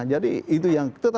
jadi itu yang